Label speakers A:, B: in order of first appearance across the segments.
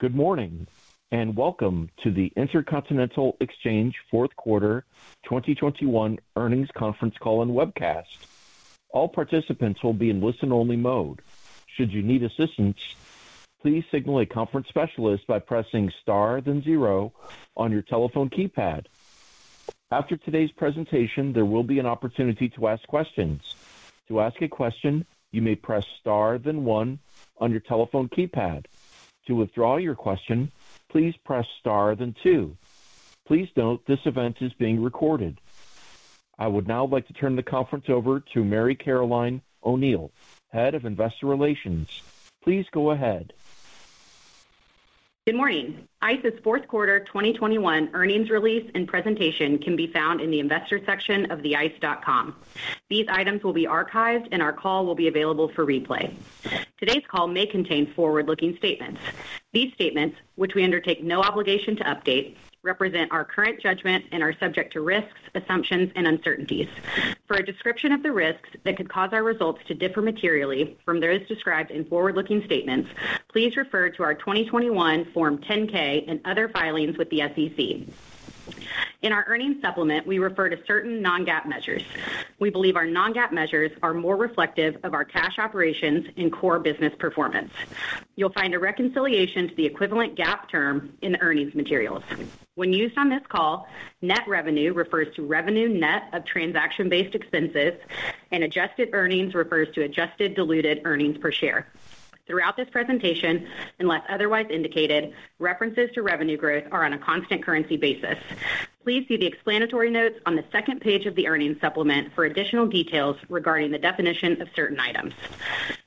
A: Good morning, and welcome to the Intercontinental Exchange Fourth Quarter 2021 Earnings Conference Call and Webcast. All participants will be in listen-only mode. Should you need assistance, please signal a conference specialist by pressing star, then zero on your telephone keypad. After today's presentation, there will be an opportunity to ask questions. To ask a question, you may press Star, then one on your telephone keypad. To withdraw your question, please press Star, then two. Please note this event is being recorded. I would now like to turn the conference over to Mary Caroline O'Neal, Head of Investor Relations. Please go ahead.
B: Good morning. ICE's fourth quarter 2021 earnings release and presentation can be found in the investor section of ice.com. These items will be archived and our call will be available for replay. Today's call may contain forward-looking statements. These statements, which we undertake no obligation to update, represent our current judgment and are subject to risks, assumptions, and uncertainties. For a description of the risks that could cause our results to differ materially from those described in forward-looking statements, please refer to our 2021 Form 10-K and other filings with the SEC. In our earnings supplement, we refer to certain non-GAAP measures. We believe our non-GAAP measures are more reflective of our cash operations and core business performance. You'll find a reconciliation to the equivalent GAAP term in the earnings materials. When used on this call, net revenue refers to revenue net of transaction-based expenses, and adjusted earnings refers to adjusted diluted earnings per share. Throughout this presentation, unless otherwise indicated, references to revenue growth are on a constant currency basis. Please see the explanatory notes on the second page of the earnings supplement for additional details regarding the definition of certain items.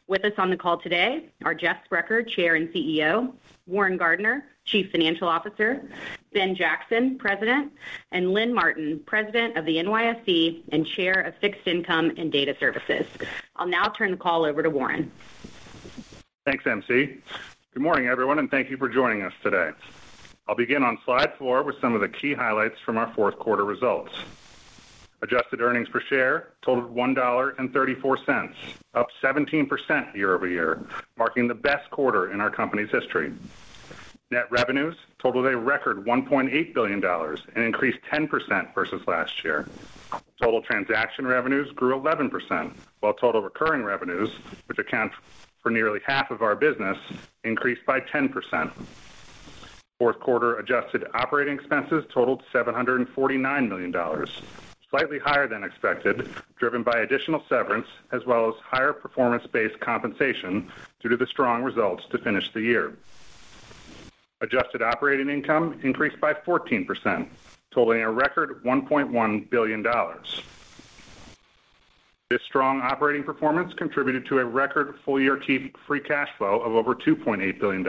B: With us on the call today are Jeff Sprecher, Chair and CEO, Warren Gardiner, Chief Financial Officer, Ben Jackson, President, and Lynn Martin, President of the NYSE and Chair of Fixed Income and Data Services. I'll now turn the call over to Warren.
C: Thanks, MC. Good morning, everyone, and thank you for joining us today. I'll begin on slide four with some of the key highlights from our fourth quarter results. Adjusted earnings per share totaled $1.34, up 17% year-over-year, marking the best quarter in our company's history. Net revenues totaled a record $1.8 billion, an increase 10% versus last year. Total transaction revenues grew 11%, while total recurring revenues, which account for nearly half of our business, increased by 10%. Fourth quarter adjusted operating expenses totaled $749 million, slightly higher than expected, driven by additional severance as well as higher performance-based compensation due to the strong results to finish the year. Adjusted operating income increased by 14%, totaling a record $1.1 billion. This strong operating performance contributed to a record full-year free cash flow of over $2.8 billion,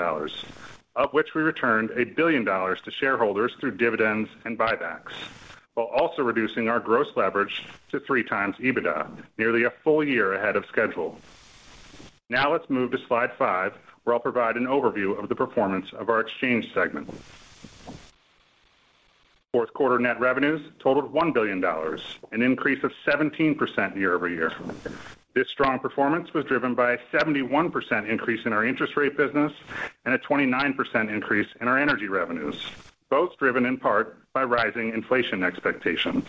C: of which we returned $1 billion to shareholders through dividends and buybacks, while also reducing our gross leverage to 3x EBITDA, nearly a full year ahead of schedule. Now let's move to slide five, where I'll provide an overview of the performance of our exchange segment. Fourth quarter net revenues totaled $1 billion, an increase of 17% year-over-year. This strong performance was driven by a 71% increase in our interest rate business and a 29% increase in our energy revenues, both driven in part by rising inflation expectations.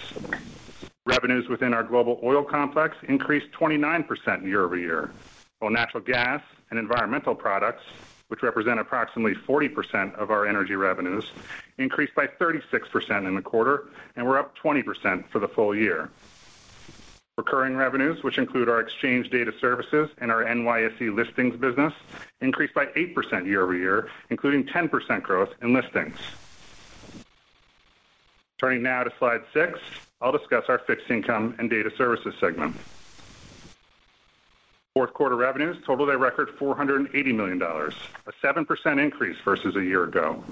C: Revenues within our global oil complex increased 29% year-over-year, while natural gas and environmental products, which represent approximately 40% of our energy revenues, increased by 36% in the quarter and were up 20% for the full year. Recurring revenues, which include our exchange data services and our NYSE listings business, increased by 8% year-over-year, including 10% growth in listings. Turning now to slide six, I'll discuss our Fixed Income and Data Services segment. Fourth quarter revenues totaled a record $480 million, a 7% increase versus a year ago.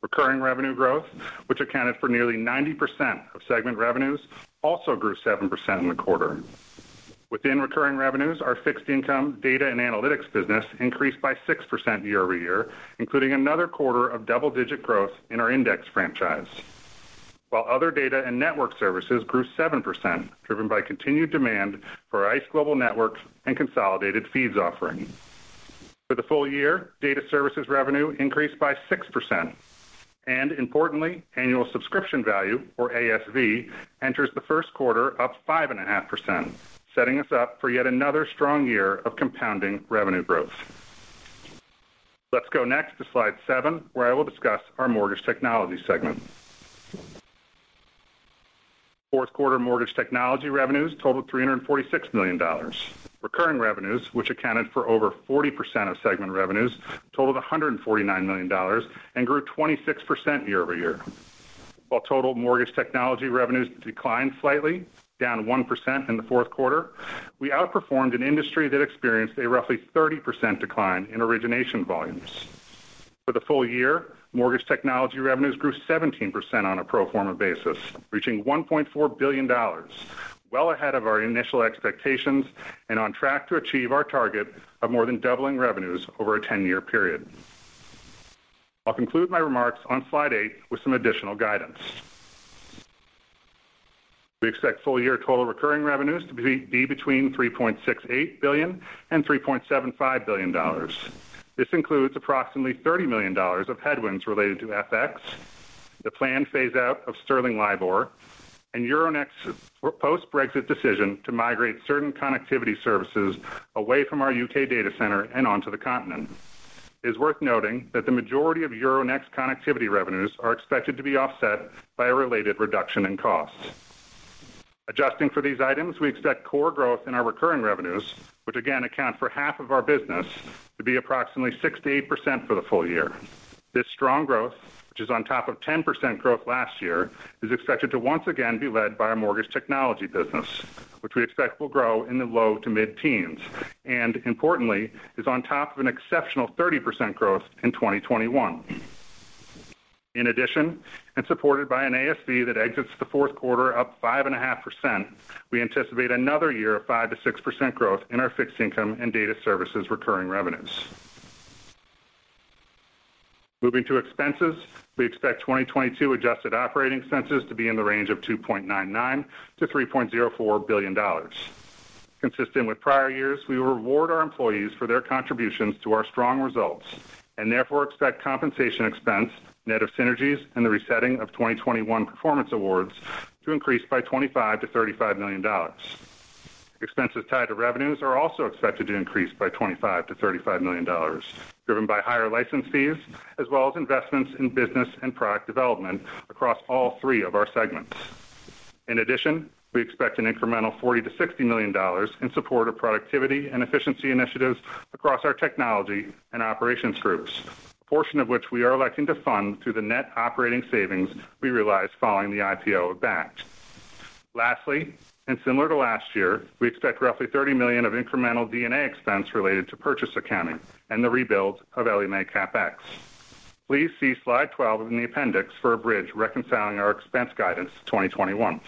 C: Recurring revenue growth, which accounted for nearly 90% of segment revenues, also grew 7% in the quarter. Within recurring revenues, our Fixed Income, Data, and Analytics business increased by 6% year-over-year, including another quarter of double-digit growth in our index franchise. While other data and network services grew 7%, driven by continued demand for ICE global networks and consolidated feeds offering. For the full year, data services revenue increased by 6%. Importantly, annual subscription value, or ASV, enters the first quarter up 5.5%, setting us up for yet another strong year of compounding revenue growth. Let's go next to slide seven, where I will discuss our Mortgage Technology segment. Fourth quarter mortgage technology revenues totaled $346 million. Recurring revenues, which accounted for over 40% of segment revenues, totaled $149 million and grew 26% year-over-year. While total mortgage technology revenues declined slightly, down 1% in the fourth quarter, we outperformed an industry that experienced a roughly 30% decline in origination volumes. For the full year, mortgage technology revenues grew 17% on a pro forma basis, reaching $1.4 billion, well ahead of our initial expectations and on track to achieve our target of more than doubling revenues over a ten-year period. I'll conclude my remarks on slide eight with some additional guidance. We expect full-year total recurring revenues to be between $3.68 billion and $3.75 billion. This includes approximately $30 million of headwinds related to FX, the planned phase-out of Sterling LIBOR, and Euronext's post-Brexit decision to migrate certain connectivity services away from our U.K. data center and onto the continent. It is worth noting that the majority of Euronext connectivity revenues are expected to be offset by a related reduction in costs. Adjusting for these items, we expect core growth in our recurring revenues, which again account for half of our business, to be approximately 6%-8% for the full year. This strong growth, which is on top of 10% growth last year, is expected to once again be led by our mortgage technology business, which we expect will grow in the low-to-mid teens, and importantly, is on top of an exceptional 30% growth in 2021. In addition, supported by an ASV that exits the fourth quarter up 5.5%, we anticipate another year of 5%-6% growth in our Fixed Income and Data Services recurring revenues. Moving to expenses. We expect 2022 adjusted operating expenses to be in the range of $2.99 billion-$3.04 billion. Consistent with prior years, we will reward our employees for their contributions to our strong results, and therefore expect compensation expense, net of synergies and the resetting of 2021 performance awards, to increase by $25 million-$35 million. Expenses tied to revenues are also expected to increase by $25 million-$35 million, driven by higher license fees, as well as investments in business and product development across all three of our segments. In addition, we expect an incremental $40 million-$60 million in support of productivity and efficiency initiatives across our technology and operations groups, a portion of which we are electing to fund through the net operating savings we realized following the IPO of Bakkt. Lastly, and similar to last year, we expect roughly $30 million of incremental D&A expense related to purchase accounting and the rebuild of Ellie Mae CapEx. Please see slide 12 in the appendix for a bridge reconciling our expense guidance to 2021.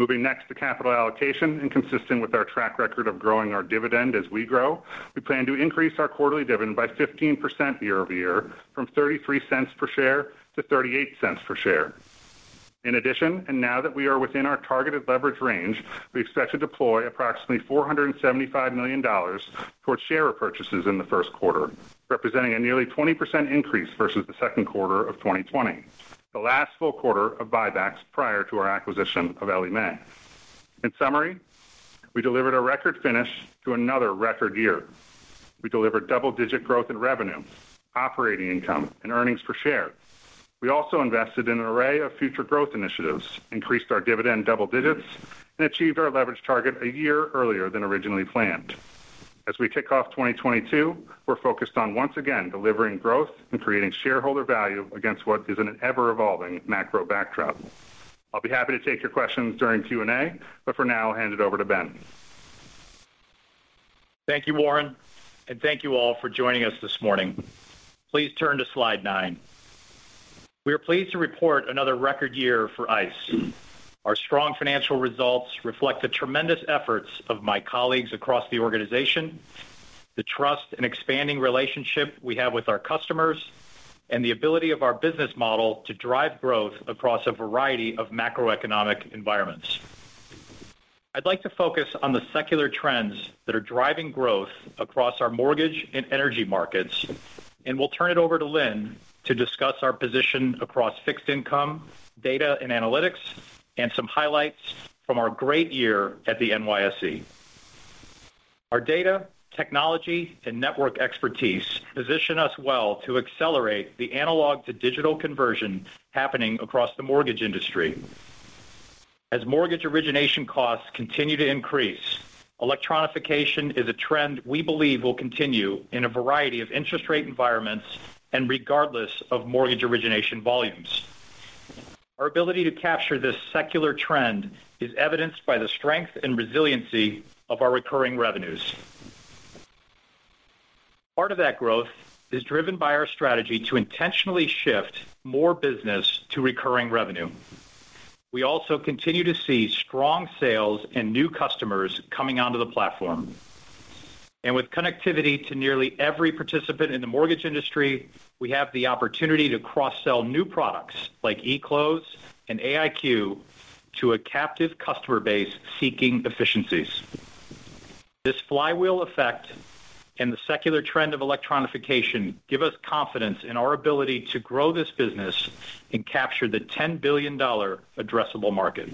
C: Moving next to capital allocation. Consistent with our track record of growing our dividend as we grow, we plan to increase our quarterly dividend by 15% year-over-year from $0.33 per share to $0.38 per share. In addition, now that we are within our targeted leverage range, we expect to deploy approximately $475 million towards share repurchases in the first quarter, representing a nearly 20% increase versus the second quarter of 2020, the last full quarter of buybacks prior to our acquisition of Ellie Mae. In summary, we delivered a record finish to another record year. We delivered double-digit growth in revenue, operating income, and earnings per share. We also invested in an array of future growth initiatives, increased our dividend double digits, and achieved our leverage target a year earlier than originally planned. As we kick off 2022, we're focused on, once again, delivering growth and creating shareholder value against what is an ever-evolving macro backdrop. I'll be happy to take your questions during Q&A, but for now, I'll hand it over to Ben.
D: Thank you, Warren, and thank you all for joining us this morning. Please turn to slide nine. We are pleased to report another record year for ICE. Our strong financial results reflect the tremendous efforts of my colleagues across the organization, the trust and expanding relationship we have with our customers, and the ability of our business model to drive growth across a variety of macroeconomic environments. I'd like to focus on the secular trends that are driving growth across our mortgage and energy markets, and will turn it over to Lynn to discuss our position across Fixed Income, data and analytics, and some highlights from our great year at the NYSE. Our data, technology, and network expertise position us well to accelerate the analog-to-digital conversion happening across the mortgage industry. As mortgage origination costs continue to increase, electronification is a trend we believe will continue in a variety of interest rate environments and regardless of mortgage origination volumes. Our ability to capture this secular trend is evidenced by the strength and resiliency of our recurring revenues. Part of that growth is driven by our strategy to intentionally shift more business to recurring revenue. We also continue to see strong sales and new customers coming onto the platform. With connectivity to nearly every participant in the mortgage industry, we have the opportunity to cross-sell new products like eClose and AIQ to a captive customer base seeking efficiencies. This flywheel effect and the secular trend of electronification give us confidence in our ability to grow this business and capture the $10 billion addressable market.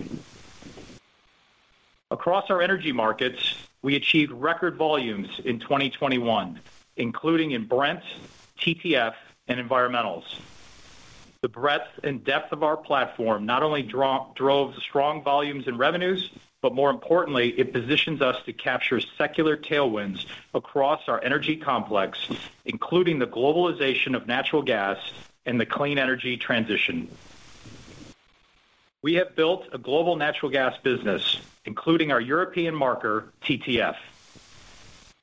D: Across our energy markets, we achieved record volumes in 2021, including in Brent, TTF, and environmentals. The breadth and depth of our platform not only drove strong volumes and revenues, but more importantly, it positions us to capture secular tailwinds across our energy complex, including the globalization of natural gas and the clean energy transition. We have built a global natural gas business, including our European marker, TTF.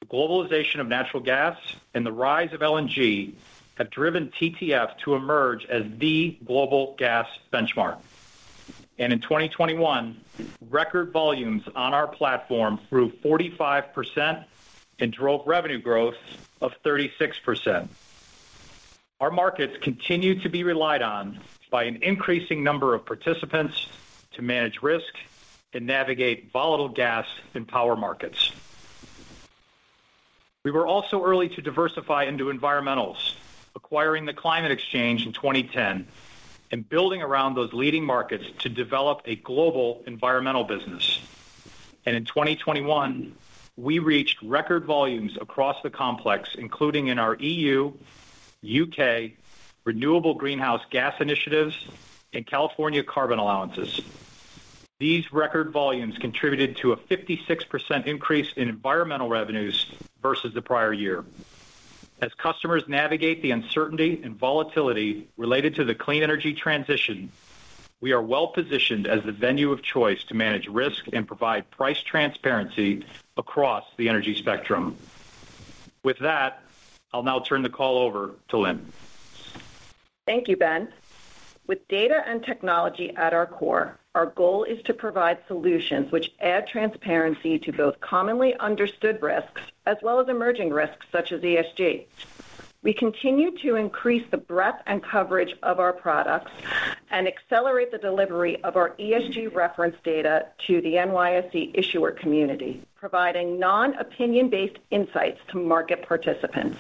D: The globalization of natural gas and the rise of LNG have driven TTF to emerge as the global gas benchmark. In 2021, record volumes on our platform grew 45% and drove revenue growth of 36%.
E: Our markets continue to be relied on by an increasing number of participants to manage risk and navigate volatile gas and power markets. We were also early to diversify into environmentals, acquiring the Climate Exchange in 2010, and building around those leading markets to develop a global environmental business. In 2021, we reached record volumes across the complex, including in our E.U., U.K., renewable greenhouse gas initiatives, and California carbon allowances. These record volumes contributed to a 56% increase in environmental revenues versus the prior year. As customers navigate the uncertainty and volatility related to the clean energy transition, we are well-positioned as the venue of choice to manage risk and provide price transparency across the energy spectrum. With that, I'll now turn the call over to Lynn.
F: Thank you, Ben. With data and technology at our core, our goal is to provide solutions which add transparency to both commonly understood risks as well as emerging risks such as ESG. We continue to increase the breadth and coverage of our products and accelerate the delivery of our ESG reference data to the NYSE issuer community, providing non-opinion-based insights to market participants.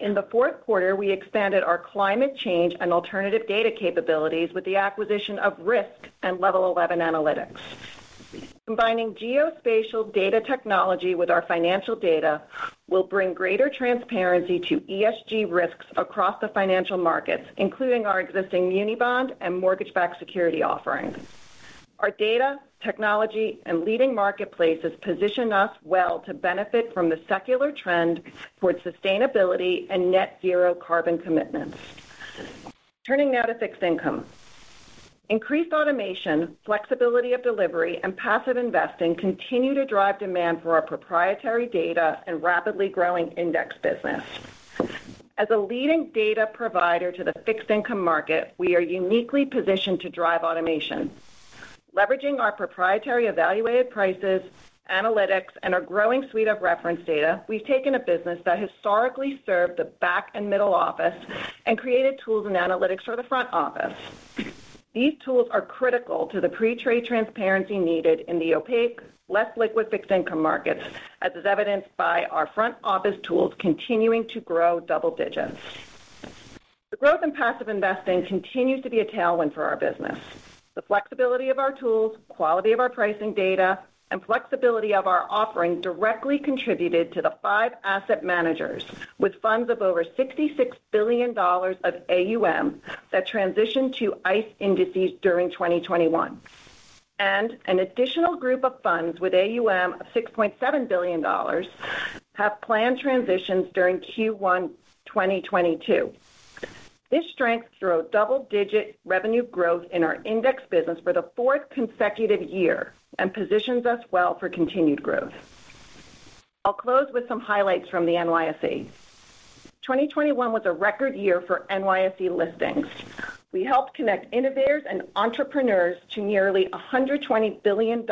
F: In the fourth quarter, we expanded our climate change and alternative data capabilities with the acquisition of risQ and Level 11 Analytics. Combining geospatial data technology with our financial data will bring greater transparency to ESG risks across the financial markets, including our existing muni bond and mortgage-backed security offerings. Our data, technology, and leading marketplaces position us well to benefit from the secular trend towards sustainability and net zero carbon commitments. Turning now to Fixed Income. Increased automation, flexibility of delivery, and passive investing continue to drive demand for our proprietary data and rapidly growing index business. As a leading data provider to the Fixed Income market, we are uniquely positioned to drive automation. Leveraging our proprietary evaluated prices, analytics, and our growing suite of reference data, we've taken a business that historically served the back and middle office and created tools and analytics for the front office. These tools are critical to the pre-trade transparency needed in the opaque, less liquid Fixed Income markets, as is evidenced by our front-office tools continuing to grow double digits. The growth in passive investing continues to be a tailwind for our business. The flexibility of our tools, quality of our pricing data, and flexibility of our offering directly contributed to the five asset managers, with funds of over $66 billion of AUM that transitioned to ICE indices during 2021. An additional group of funds with AUM of $6.7 billion have planned transitions during Q1 2022. This strength drove double-digit revenue growth in our index business for the fourth consecutive year and positions us well for continued growth. I'll close with some highlights from the NYSE. 2021 was a record year for NYSE listings. We helped connect innovators and entrepreneurs to nearly $120 billion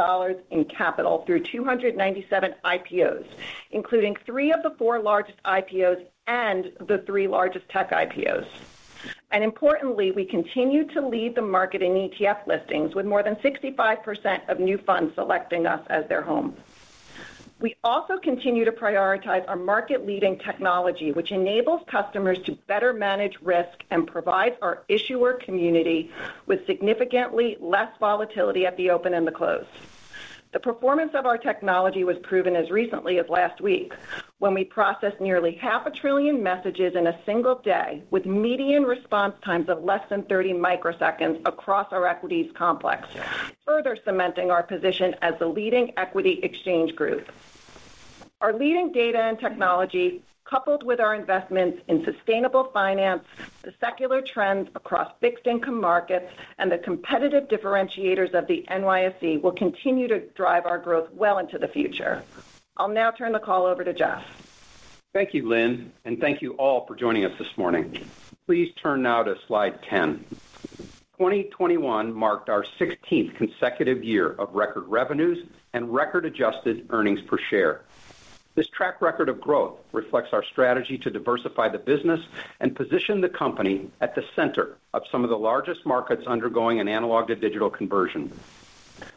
F: in capital through 297 IPOs, including three of the four largest IPOs and the three largest tech IPOs. Importantly, we continue to lead the market in ETF listings, with more than 65% of new funds selecting us as their home. We also continue to prioritize our market-leading technology, which enables customers to better manage risk and provide our issuer community with significantly less volatility at the open and the close. The performance of our technology was proven as recently as last week, when we processed nearly 500 billion messages in a single day, with median response times of less than 30 microseconds across our equities complex, further cementing our position as the leading equity exchange group. Our leading data and technology, coupled with our investments in sustainable finance, the secular trends across fixed income markets, and the competitive differentiators of the NYSE will continue to drive our growth well into the future. I'll now turn the call over to Jeff.
E: Thank you, Lynn, and thank you all for joining us this morning. Please turn now to slide 10. 2021 marked our sixteenth consecutive year of record revenues and record-adjusted earnings per share. This track record of growth reflects our strategy to diversify the business and position the company at the center of some of the largest markets undergoing an analog-to-digital conversion,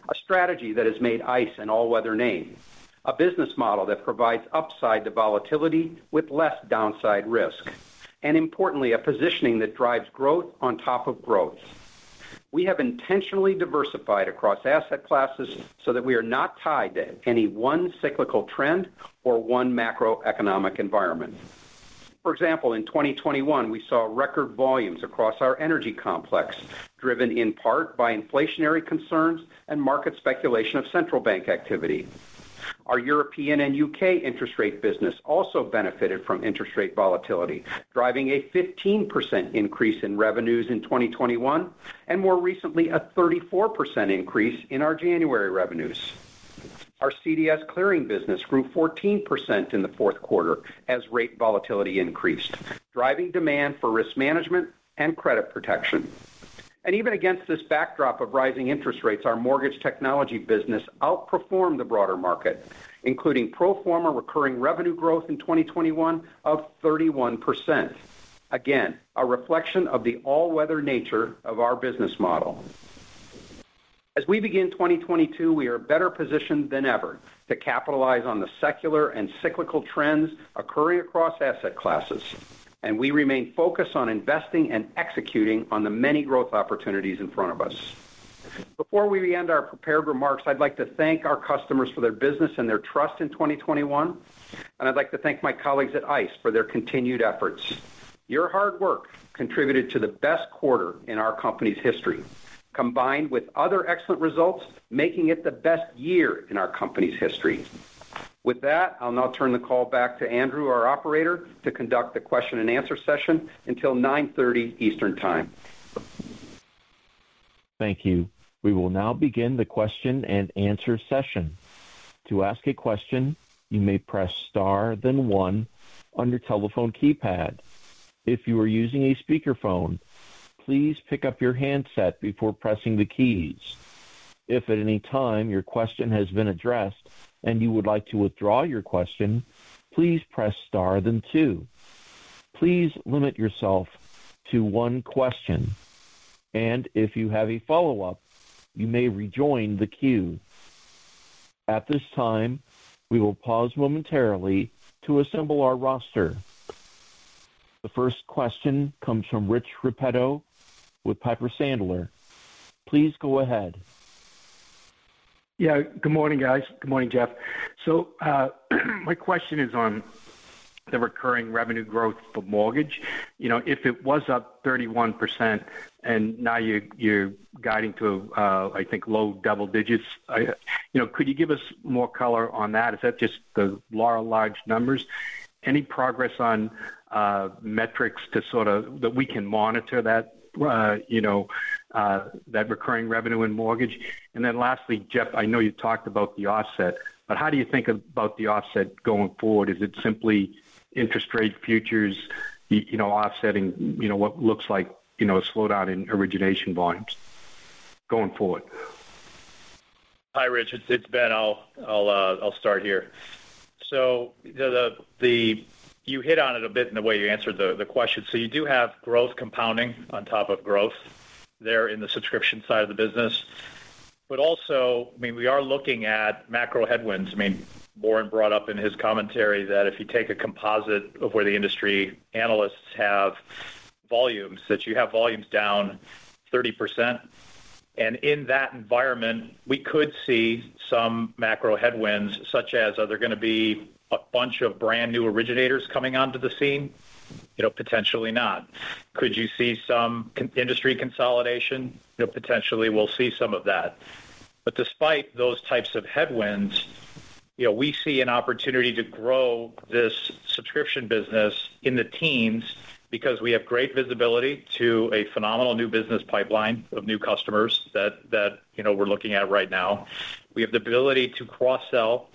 E: a strategy that has made ICE an all-weather name, a business model that provides upside to volatility with less downside risk, and importantly, a positioning that drives growth on top of growth. We have intentionally diversified across asset classes so that we are not tied to any one cyclical trend or one macroeconomic environment. For example, in 2021, we saw record volumes across our energy complex, driven in part by inflationary concerns and market speculation of central bank activity. Our European and UK interest rate business also benefited from interest rate volatility, driving a 15% increase in revenues in 2021, and more recently, a 34% increase in our January revenues. Our CDS clearing business grew 14% in the fourth quarter as rate volatility increased, driving demand for risk management and credit protection. Even against this backdrop of rising interest rates, our mortgage technology business outperformed the broader market, including pro forma recurring revenue growth in 2021 of 31%. Again, a reflection of the all-weather nature of our business model. As we begin 2022, we are better positioned than ever to capitalize on the secular and cyclical trends occurring across asset classes, and we remain focused on investing and executing on the many growth opportunities in front of us. Before we end our prepared remarks, I'd like to thank our customers for their business and their trust in 2021, and I'd like to thank my colleagues at ICE for their continued efforts. Your hard work contributed to the best quarter in our company's history, combined with other excellent results, making it the best year in our company's history. With that, I'll now turn the call back to Andrew, our operator, to conduct the question and answer session until 9:30 Eastern Time.
A: Thank you. We will now begin the question and answer session. To ask a question, you may press star then one on your telephone keypad. If you are using a speakerphone, please pick up your handset before pressing the keys. If at any time your question has been addressed and you would like to withdraw your question, please press star then two. Please limit yourself to one question, and if you have a follow-up, you may rejoin the queue. At this time, we will pause momentarily to assemble our roster. The first question comes from Rich Repetto with Piper Sandler. Please go ahead.
G: Yeah. Good morning, guys. Good morning, Jeff. My question is on the recurring revenue growth for mortgage. You know, if it was up 31% and now you're guiding to, I think low double digits, I, you know, could you give us more color on that? Is that just the law of large numbers? Any progress on metrics to sort of that we can monitor that, you know, that recurring revenue in mortgage? And then lastly, Jeff, I know you talked about the offset, but how do you think about the offset going forward? Is it simply interest rate futures, you know, offsetting, you know, what looks like, you know, a slowdown in origination volumes going forward?
D: Hi, Rich. It's Ben. I'll start here. You hit on it a bit in the way you answered the question. You do have growth compounding on top of growth there in the subscription side of the business. Also, I mean, we are looking at macro headwinds. I mean, Warren brought up in his commentary that if you take a composite of where the industry analysts have volumes, that you have volumes down 30%. In that environment, we could see some macro headwinds, such as, are there gonna be a bunch of brand-new originators coming onto the scene? You know, potentially not. Could you see some industry consolidation? You know, potentially we'll see some of that. Despite those types of headwinds, you know, we see an opportunity to grow this subscription business in the teens because we have great visibility to a phenomenal new business pipeline of new customers that, you know, we're looking at right now. We have the ability to cross-sell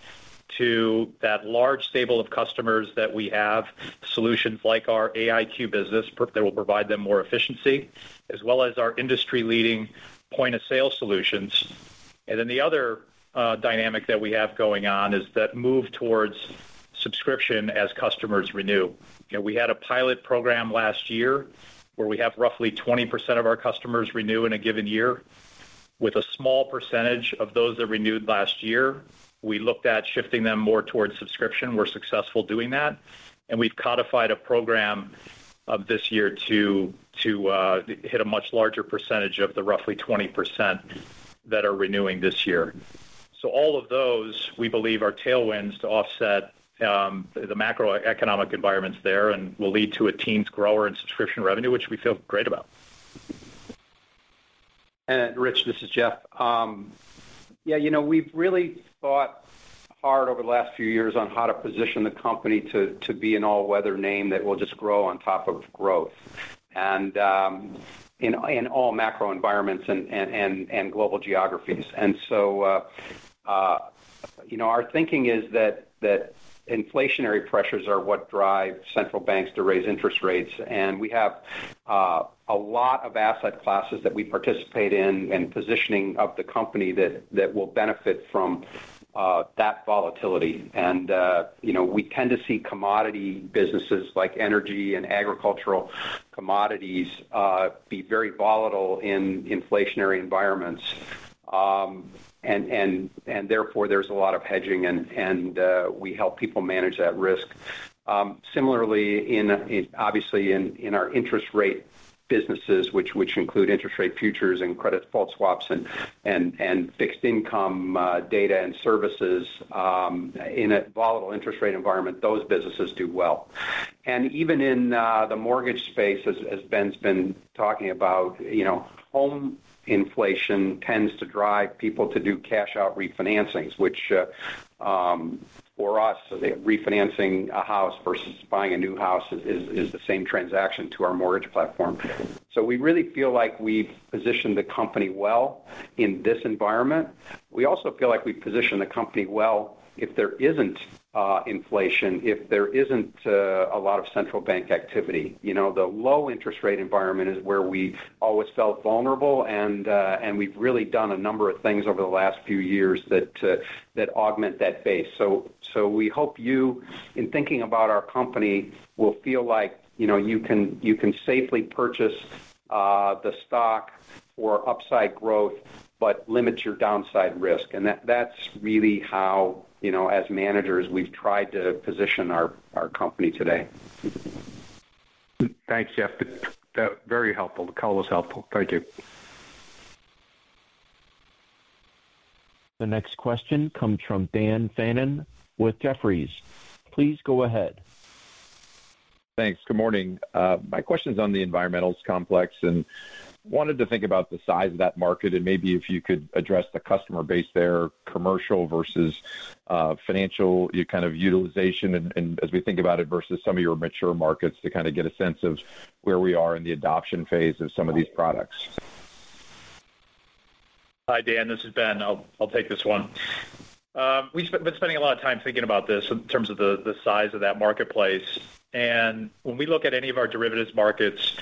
D: to that large stable of customers that we have solutions like our AIQ business that will provide them more efficiency, as well as our industry-leading point-of-sale solutions. The other dynamic that we have going on is that move towards subscription as customers renew. You know, we had a pilot program last year where we have roughly 20% of our customers renew in a given year. With a small percentage of those that renewed last year, we looked at shifting them more towards subscription. We're successful doing that, and we've codified a program of this year to hit a much larger percentage of the roughly 20% that are renewing this year. All of those, we believe, are tailwinds to offset the macroeconomic environments there and will lead to a teens growth in subscription revenue, which we feel great about.
E: Rich, this is Jeff. Yeah, you know, we've really thought hard over the last few years on how to position the company to be an all-weather name that will just grow on top of growth and in all macro environments and global geographies. You know, our thinking is that inflationary pressures are what drive central banks to raise interest rates. We have a lot of asset classes that we participate in and positioning of the company that will benefit from that volatility. You know, we tend to see commodity businesses like energy and agricultural commodities be very volatile in inflationary environments. Therefore, there's a lot of hedging and we help people manage that risk. Similarly, obviously, in our interest rate businesses, which include interest rate futures and credit default swaps and Fixed Income Data and Services, in a volatile interest rate environment, those businesses do well. Even in the mortgage space, as Ben's been talking about, you know, home inflation tends to drive people to do cash-out refinancings, which for us, refinancing a house versus buying a new house is the same transaction to our mortgage platform. We really feel like we've positioned the company well in this environment. We also feel like we position the company well if there isn't inflation, if there isn't a lot of central bank activity. You know, the low interest rate environment is where we always felt vulnerable. We've really done a number of things over the last few years that augment that base. We hope you, in thinking about our company, will feel like, you know, you can safely purchase the stock for upside growth but limit your downside risk. That's really how, you know, as managers, we've tried to position our company today.
G: Thanks, Jeff. That very helpful. The call was helpful. Thank you.
A: The next question comes from Dan Fannon with Jefferies. Please go ahead.
H: Thanks. Good morning. My question's on the environmental complex, and wanted to think about the size of that market and maybe if you could address the customer base there, commercial versus financial, kind of utilization and as we think about it versus some of your mature markets to kind of get a sense of where we are in the adoption phase of some of these products.
D: Hi, Dan, this is Ben. I'll take this one. We've been spending a lot of time thinking about this in terms of the size of that marketplace. When we look at any of our derivatives markets,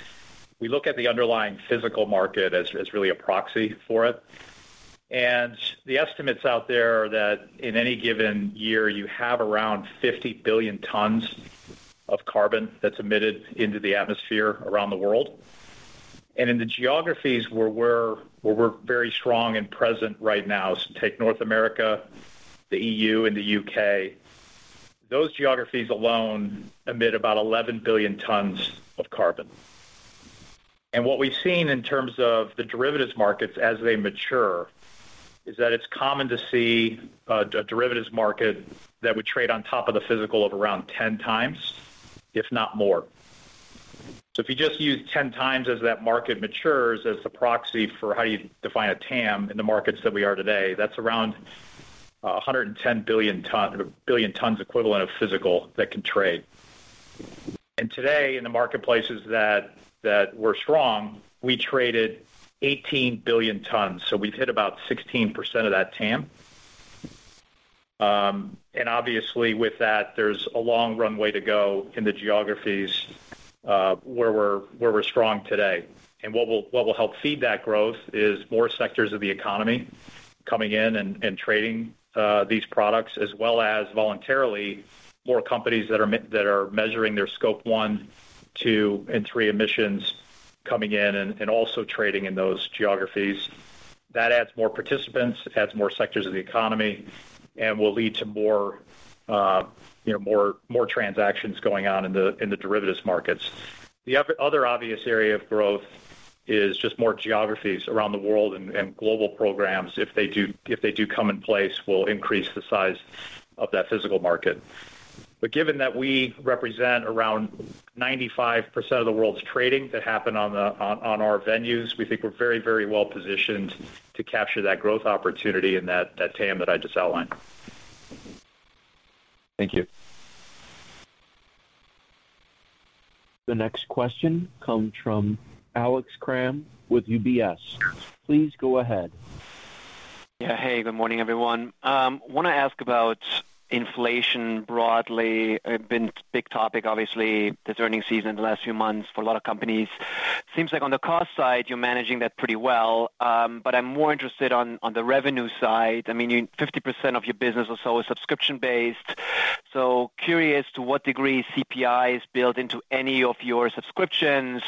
D: we look at the underlying physical market as really a proxy for it. The estimates out there are that in any given year, you have around 50 billion tons of carbon that's emitted into the atmosphere around the world. In the geographies where we're very strong and present right now, so take North America, the EU and the U.K., those geographies alone emit about 11 billion tons of carbon. What we've seen in terms of the derivatives markets as they mature is that it's common to see a derivatives market that would trade on top of the physical of around 10 times, if not more. If you just use 10 times as that market matures as the proxy for how you define a TAM in the markets that we are today, that's around a hundred and ten billion tons equivalent of physical that can trade. Today, in the marketplaces that we're strong, we traded 18 billion tons, so we've hit about 16% of that TAM. Obviously with that, there's a long runway to go in the geographies where we're strong today. What will help feed that growth is more sectors of the economy coming in and trading these products as well as voluntarily more companies that are measuring their scope one, two, and three emissions coming in and also trading in those geographies. That adds more participants, it adds more sectors of the economy and will lead to more you know more transactions going on in the derivatives markets. The other obvious area of growth is just more geographies around the world and global programs, if they do come in place, will increase the size of that physical market. Given that we represent around 95% of the world's trading that happen on our venues, we think we're very, very well positioned to capture that growth opportunity and that TAM that I just outlined.
H: Thank you.
A: The next question comes from Alex Kramm with UBS. Please go ahead.
I: Yeah. Hey, good morning, everyone. Wanna ask about inflation broadly. It's been a big topic, obviously, this earnings season in the last few months for a lot of companies. Seems like on the cost side, you're managing that pretty well. I'm more interested on the revenue side. I mean, 50% of your business or so is subscription-based. So curious to what degree CPI is built into any of your subscriptions,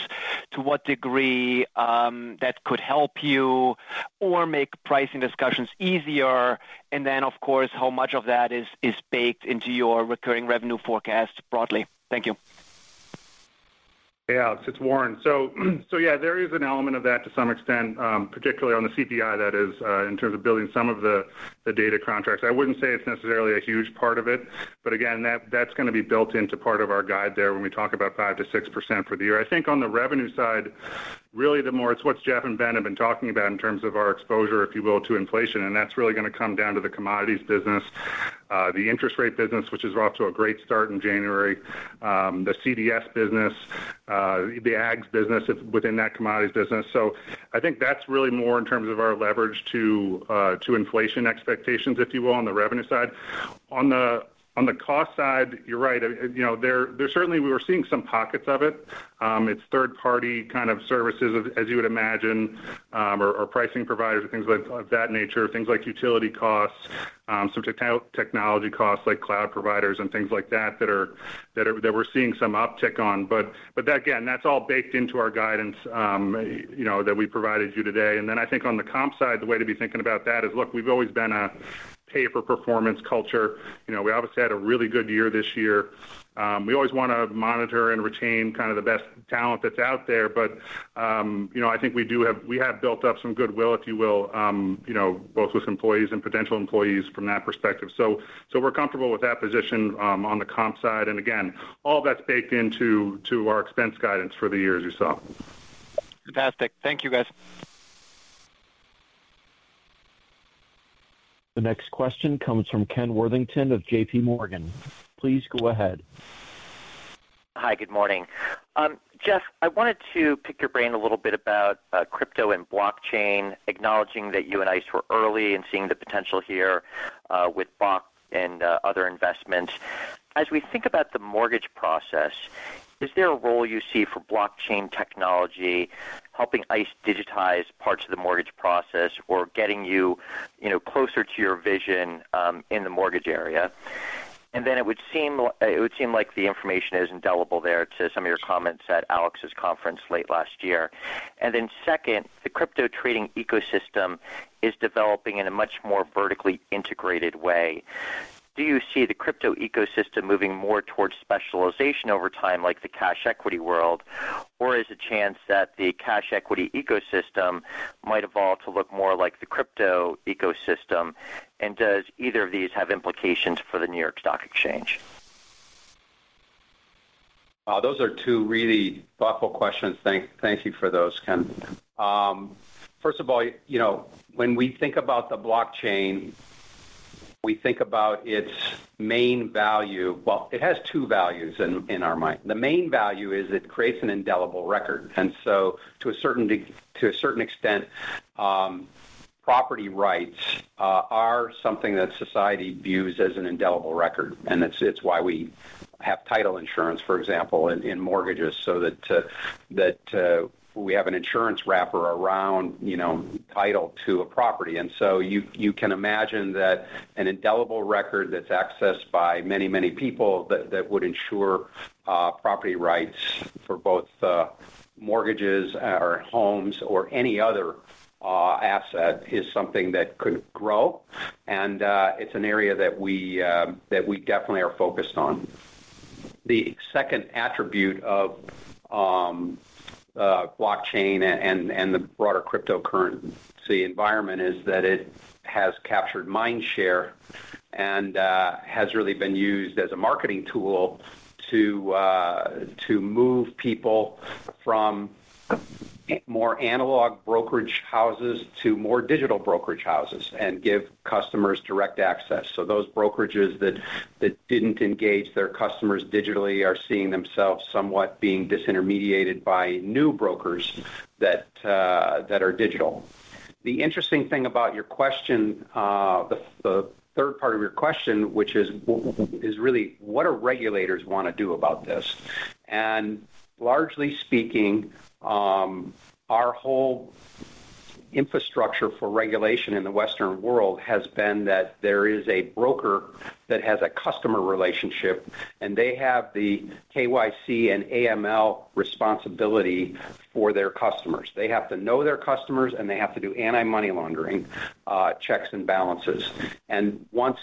I: to what degree that could help you or make pricing discussions easier. Of course, how much of that is baked into your recurring revenue forecast broadly? Thank you.
C: Yeah. It's Warren. Yeah, there is an element of that to some extent, particularly on the CPI, that is, in terms of building some of the data contracts. I wouldn't say it's necessarily a huge part of it, but again, that's gonna be built into part of our guide there when we talk about 5%-6% for the year. I think on the revenue side, really the more it's what Jeff and Ben have been talking about in terms of our exposure, if you will, to inflation, and that's really gonna come down to the commodities business, the interest rate business, which is off to a great start in January, the CDS business, the ags business within that commodities business. I think that's really more in terms of our leverage to inflation expectations, if you will, on the revenue side. On the cost side, you're right. You know, there certainly we were seeing some pockets of it. It's third party kind of services as you would imagine, or pricing providers or things like that nature, things like utility costs, some technology costs like cloud providers and things like that that we're seeing some uptick on. But again, that's all baked into our guidance, you know, that we provided you today. I think on the comp side, the way to be thinking about that is, look, we've always been a pay-for-performance culture. You know, we obviously had a really good year this year.
D: We always wanna monitor and retain kind of the best talent that's out there. You know, I think we have built up some goodwill, if you will, you know, both with employees and potential employees from that perspective. We're comfortable with that position on the comp side. Again, all that's baked into our expense guidance for the year as you saw.
I: Fantastic. Thank you, guys.
A: The next question comes from Kenneth Worthington of JPMorgan. Please go ahead.
J: Hi, good morning. Jeff, I wanted to pick your brain a little bit about crypto and blockchain, acknowledging that you and ICE were early in seeing the potential here with Bakkt and other investments. As we think about the mortgage process, is there a role you see for blockchain technology helping ICE digitize parts of the mortgage process or getting you know, closer to your vision in the mortgage area? It would seem like the information is indelible there to some of your comments at Alex's conference late last year. Second, the crypto trading ecosystem is developing in a much more vertically integrated way. Do you see the crypto ecosystem moving more towards specialization over time, like the cash equity world? Is the chance that the cash equity ecosystem might evolve to look more like the crypto ecosystem? Does either of these have implications for the New York Stock Exchange?
E: Those are two really thoughtful questions. Thank you for those, Ken. First of all, you know, when we think about the blockchain, we think about its main value. Well, it has two values in our mind. The main value is it creates an indelible record. To a certain extent, property rights are something that society views as an indelible record, and it's why we have title insurance, for example, in mortgages so that we have an insurance wrapper around, you know, title to a property. You can imagine that an indelible record that's accessed by many, many people that would ensure property rights for both mortgages or homes or any other asset is something that could grow. It's an area that we definitely are focused on. The second attribute of blockchain and the broader cryptocurrency environment is that it has captured mind share and has really been used as a marketing tool to move people from more analog brokerage houses to more digital brokerage houses and give customers direct access. Those brokerages that didn't engage their customers digitally are seeing themselves somewhat being disintermediated by new brokers that are digital. The interesting thing about your question, the third part of your question, which is really what do regulators wanna do about this? Largely speaking, our whole infrastructure for regulation in the Western world has been that there is a broker that has a customer relationship, and they have the KYC and AML responsibility for their customers. They have to know their customers, and they have to do anti-money laundering checks and balances. Once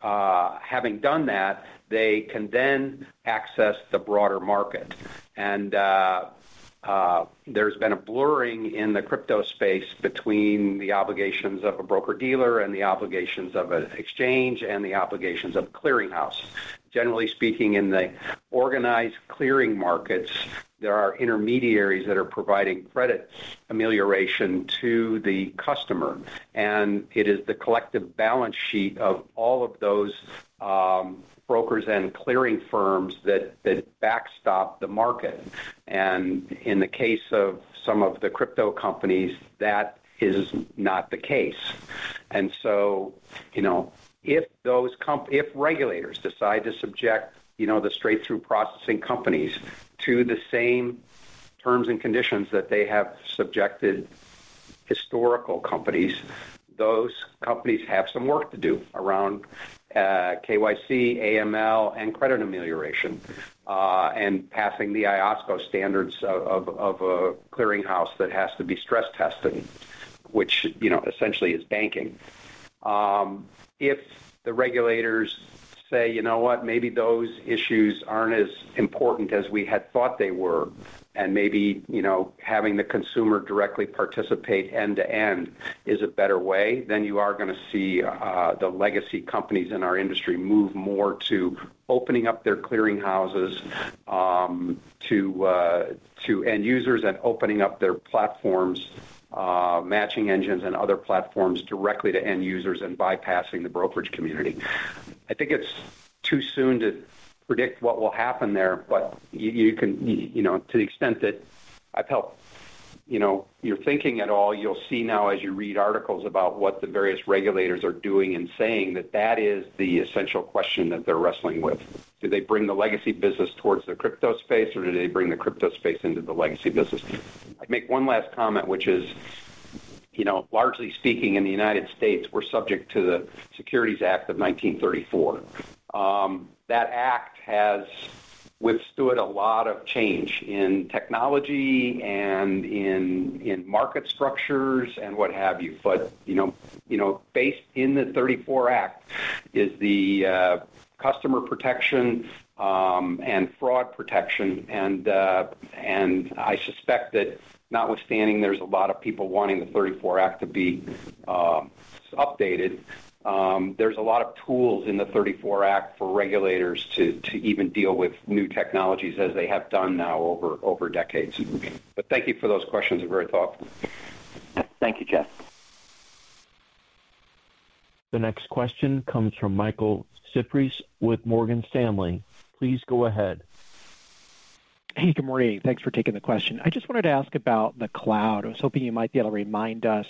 E: having done that, they can then access the broader market. There's been a blurring in the crypto space between the obligations of a broker-dealer and the obligations of an exchange and the obligations of clearinghouse. Generally speaking, in the organized clearing markets, there are intermediaries that are providing credit amelioration to the customer, and it is the collective balance sheet of all of those brokers and clearing firms that backstop the market. In the case of some of the crypto companies, that is not the case. You know, if those comp... If regulators decide to subject, you know, the straight-through processing companies to the same terms and conditions that they have subjected historical companies, those companies have some work to do around KYC, AML, and credit intermediation, and passing the IOSCO standards of a clearinghouse that has to be stress testing, which, you know, essentially is banking. If the regulators say, "You know what, maybe those issues aren't as important as we had thought they were, and maybe, you know, having the consumer directly participate end-to-end is a better way," then you are gonna see the legacy companies in our industry move more to opening up their clearinghouses to end users and opening up their platforms, matching engines and other platforms directly to end users and bypassing the brokerage community. I think it's too soon to predict what will happen there, but you can, you know, to the extent that I've helped, you know, your thinking at all, you'll see now as you read articles about what the various regulators are doing and saying that that is the essential question that they're wrestling with. Do they bring the legacy business towards the crypto space, or do they bring the crypto space into the legacy business? I'd make one last comment, which is, you know, largely speaking, in the United States, we're subject to the Securities Exchange Act of 1934. That act has withstood a lot of change in technology and in market structures and what have you. Based in the 1934 Act is the customer protection and fraud protection, and I suspect that notwithstanding, there's a lot of people wanting the '34 Act to be updated. There's a lot of tools in the 1934 Act for regulators to even deal with new technologies as they have done now over decades. Thank you for those questions. They're very thoughtful.
J: Thank you, Jeff.
A: The next question comes from Michael Cyprys with Morgan Stanley. Please go ahead.
K: Hey, good morning. Thanks for taking the question. I just wanted to ask about the cloud. I was hoping you might be able to remind us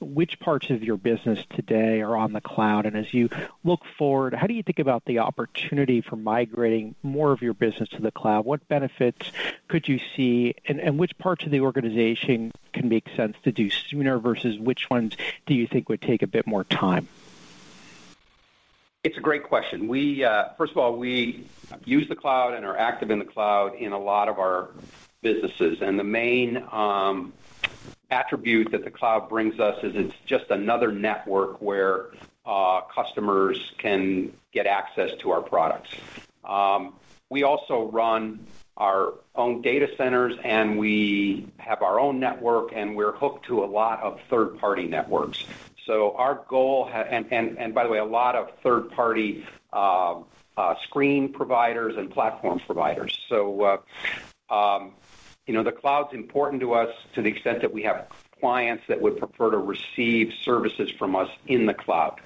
K: which parts of your business today are on the cloud, and as you look forward, how do you think about the opportunity for migrating more of your business to the cloud? What benefits could you see and which parts of the organization can make sense to do sooner versus which ones do you think would take a bit more time?
E: It's a great question. We first of all use the cloud and are active in the cloud in a lot of our businesses. The main attribute that the cloud brings us is it's just another network where customers can get access to our products. We also run our own data centers, and we have our own network, and we're hooked to a lot of third-party networks, and by the way a lot of third-party screen providers and platform providers. You know, the cloud's important to us to the extent that we have clients that would prefer to receive services from us in the cloud.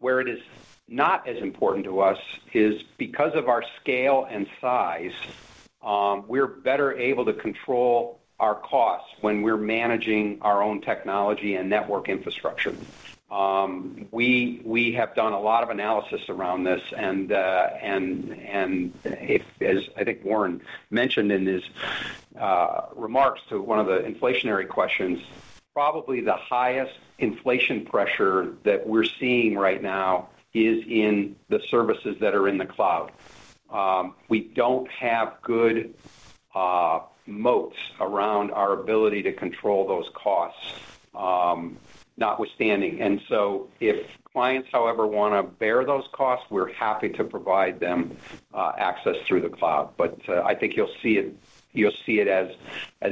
E: Where it is not as important to us is because of our scale and size, we're better able to control our costs when we're managing our own technology and network infrastructure. We have done a lot of analysis around this and if as I think Warren mentioned in his remarks to one of the inflationary questions, probably the highest inflation pressure that we're seeing right now is in the services that are in the cloud. We don't have good moats around our ability to control those costs, notwithstanding. If clients, however, want to bear those costs, we're happy to provide them access through the cloud. I think you'll see it as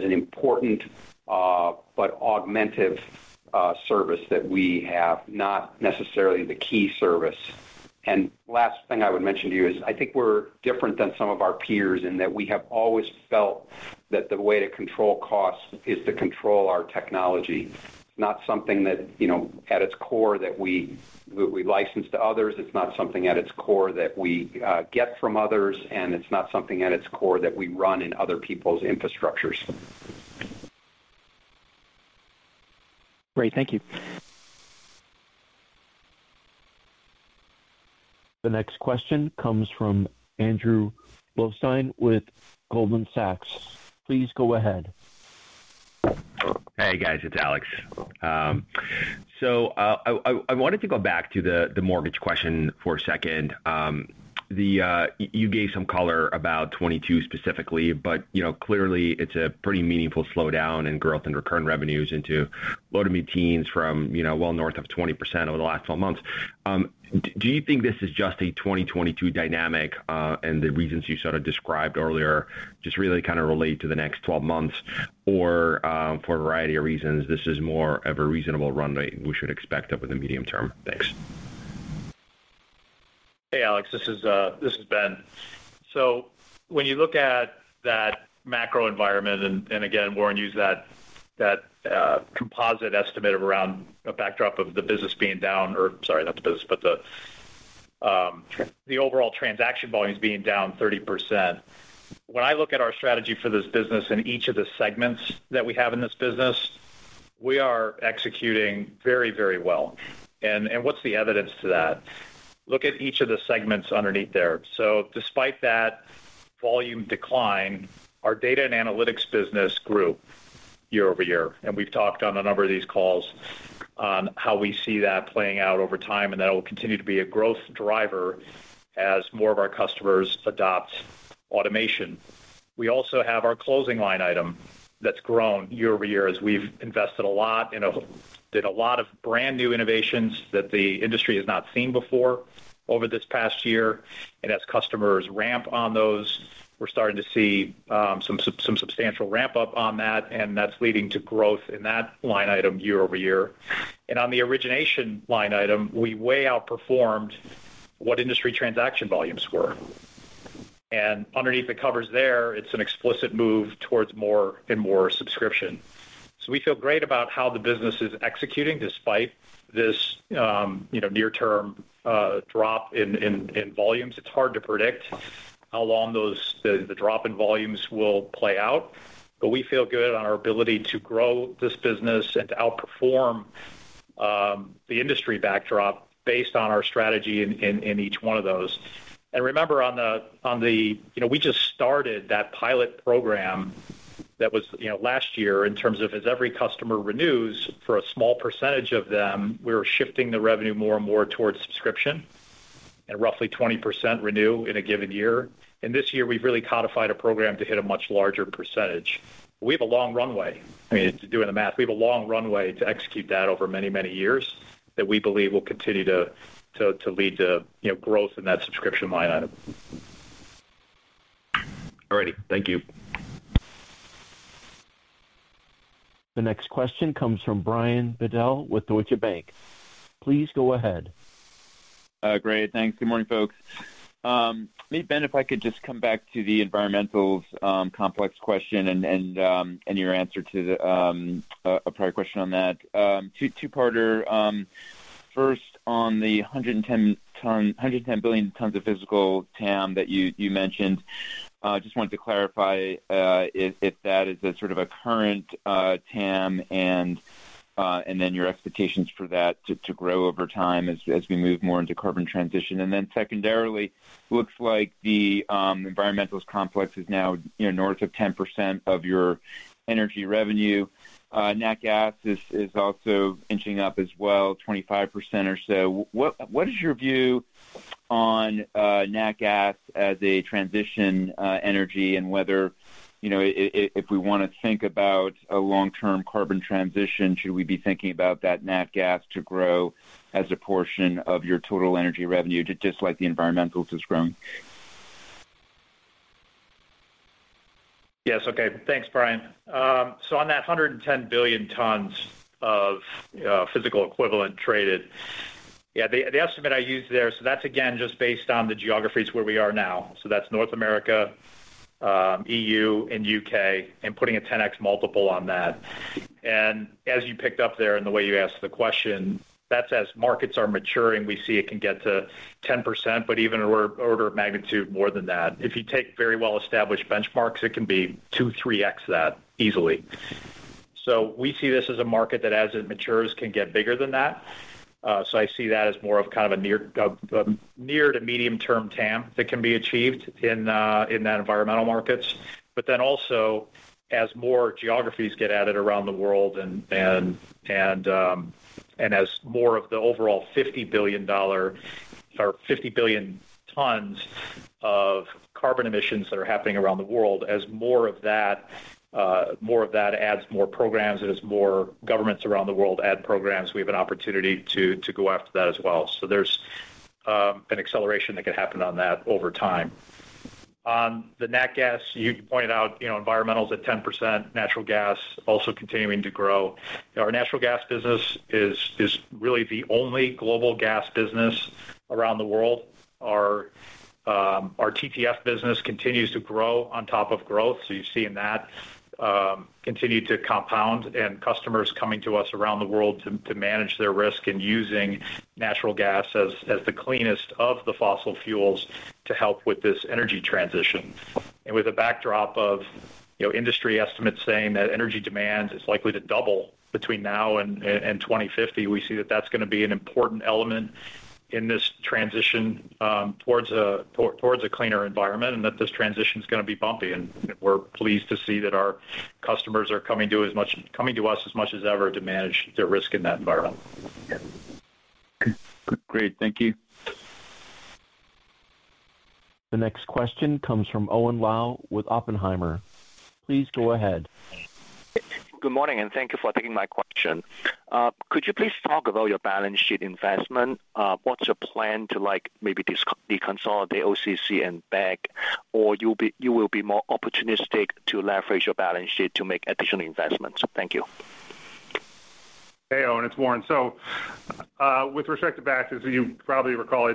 E: an important but augmentative service that we have, not necessarily the key service. Last thing I would mention to you is I think we're different than some of our peers in that we have always felt that the way to control costs is to control our technology. It's not something that, you know, at its core that we license to others. It's not something at its core that we get from others, and it's not something at its core that we run in other people's infrastructures.
K: Great. Thank you.
A: The next question comes from Alex Blostein with Goldman Sachs. Please go ahead.
L: Hey, guys, it's Alex. I wanted to go back to the mortgage question for a second. You gave some color about 2022 specifically, but you know, clearly it's a pretty meaningful slowdown in growth and recurring revenues into low-to-mid teens% from, you know, well north of 20% over the last twelve months. Do you think this is just a 2022 dynamic, and the reasons you sort of described earlier just really kind of relate to the next twelve months? Or, for a variety of reasons, this is more of a reasonable runway we should expect over the medium term? Thanks.
D: Hey, Alex. This is Ben. When you look at that macro environment, and again, Warren used that composite estimate of around a backdrop of the business being down or sorry, not the business, but the overall transaction volumes being down 30%. When I look at our strategy for this business in each of the segments that we have in this business, we are executing very, very well. What's the evidence to that? Look at each of the segments underneath there. Despite that volume decline, our data and analytics business grew year-over-year. We've talked on a number of these calls on how we see that playing out over time, and that will continue to be a growth driver as more of our customers adopt automation. We also have our closing line item that's grown year over year as we've invested a lot, did a lot of brand new innovations that the industry has not seen before over this past year. As customers ramp on those, we're starting to see some substantial ramp up on that, and that's leading to growth in that line item year over year. On the origination line item, we way outperformed what industry transaction volumes were. Underneath the covers there, it's an explicit move towards more and more subscription. We feel great about how the business is executing despite this, you know, near-term drop in volumes. It's hard to predict how long the drop in volumes will play out. We feel good on our ability to grow this business and to outperform the industry backdrop based on our strategy in each one of those. Remember on the. You know, we just started that pilot program that was, you know, last year in terms of as every customer renews for a small percentage of them, we're shifting the revenue more and more towards subscription. Roughly 20% renew in a given year. This year, we've really codified a program to hit a much larger percentage. We have a long runway. I mean, doing the math, we have a long runway to execute that over many years that we believe will continue to lead to, you know, growth in that subscription line item.
L: All righty. Thank you.
A: The next question comes from Brian Bedell with Deutsche Bank. Please go ahead.
M: Great, thanks. Good morning, folks. Maybe Ben, if I could just come back to the environmental complex question and your answer to a prior question on that. Two-parter. First on the 110 billion tons of physical TAM that you mentioned. Just wanted to clarify if that is a sort of a current TAM and then your expectations for that to grow over time as we move more into carbon transition. Then secondarily, looks like the environmental complex is now, you know, north of 10% of your energy revenue. Nat gas is also inching up as well, 25% or so. What is your view on nat gas as a transition energy and whether, you know, if we wanna think about a long-term carbon transition, should we be thinking about that nat gas to grow as a portion of your total energy revenue, just like the environmental has grown?
D: Yes. Okay. Thanks, Brian. On that 110 billion tons of physical equivalent traded. The estimate I used there, that's again, just based on the geographies where we are now. That's North America, EU and U.K., and putting a 10x multiple on that. As you picked up there in the way you asked the question, that's as markets are maturing, we see it can get to 10%, but even order of magnitude more than that. If you take very well-established benchmarks, it can be 2x-3x that easily. We see this as a market that as it matures, can get bigger than that. I see that as more of kind of a near to medium-term TAM that can be achieved in that environmental markets. Also as more geographies get added around the world and as more of the overall $50 billion or 50 billion tons of carbon emissions that are happening around the world, as more of that, more of that adds more programs, and as more governments around the world add programs, we have an opportunity to go after that as well. There's an acceleration that could happen on that over time. On the nat gas, you pointed out, you know, environmental is at 10%, natural gas also continuing to grow. Our natural gas business is really the only global gas business around the world. Our TTF business continues to grow on top of growth. You're seeing that continue to compound and customers coming to us around the world to manage their risk and using natural gas as the cleanest of the fossil fuels to help with this energy transition. With a backdrop of industry estimates saying that energy demand is likely to double between now and 2050, we see that that's going to be an important element in this transition towards a cleaner environment, and that this transition is going to be bumpy. We're pleased to see that our customers are coming to us as much as ever to manage their risk in that environment.
M: Great. Thank you.
A: The next question comes from Owen Lau with Oppenheimer. Please go ahead.
N: Good morning, and thank you for taking my question. Could you please talk about your balance sheet investment? What's your plan to, like, maybe deconsolidate OCC and BEG, or you will be more opportunistic to leverage your balance sheet to make additional investments? Thank you.
C: Hey, Owen, it's Warren. With respect to Bakkt, as you probably recall,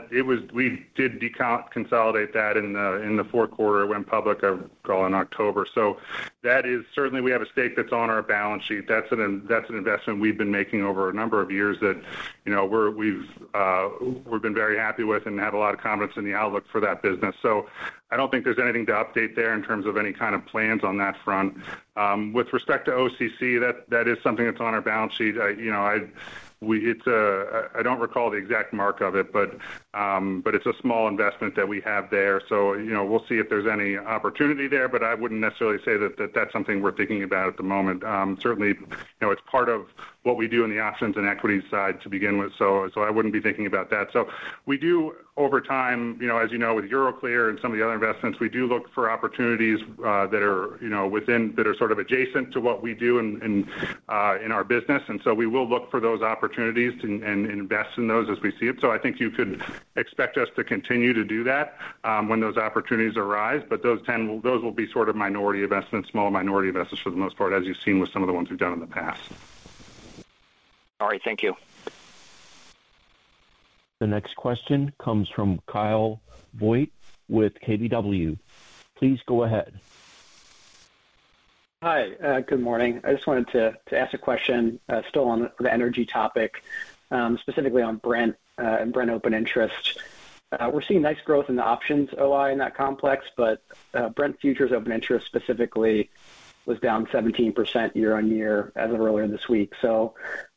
C: we did deconsolidate that in the fourth quarter. It went public, I recall, in October. That certainly is we have a stake that's on our balance sheet. That's an investment we've been making over a number of years that, you know, we've been very happy with and have a lot of confidence in the outlook for that business. I don't think there's anything to update there in terms of any kind of plans on that front. With respect to OCC, that is something that's on our balance sheet. You know, I don't recall the exact mark of it, but it's a small investment that we have there. You know, we'll see if there's any opportunity there. I wouldn't necessarily say that that's something we're thinking about at the moment. Certainly, you know, it's part of what we do in the options and equities side to begin with, so I wouldn't be thinking about that. We do over time, you know, as you know, with Euroclear and some of the other investments, we do look for opportunities that are, you know, sort of adjacent to what we do in our business. We will look for those opportunities and invest in those as we see them. I think you could expect us to continue to do that when those opportunities arise. Those will be sort of minority investments, small minority investors for the most part, as you've seen with some of the ones we've done in the past.
N: All right. Thank you.
A: The next question comes from Kyle Voigt with KBW. Please go ahead.
O: Hi, good morning. I just wanted to ask a question, still on the energy topic, specifically on Brent, and Brent open interest. We're seeing nice growth in the options OI in that complex, but Brent futures open interest specifically was down 17% year-over-year as of earlier this week.